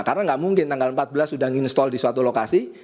karena tidak mungkin tanggal empat belas sudah install di suatu lokasi